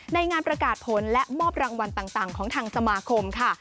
ในงานประกาศผลและมอบรางวัลต่างของทางสมาคมค่ะ